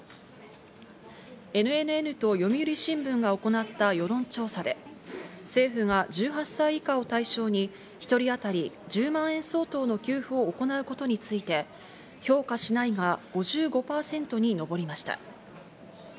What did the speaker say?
ＮＮＮと読売新聞が行った世論調査で、政府が１８歳以下を対象に一人当たり１０万円相当の給付を行うことについて評価しないが５５％に上りました。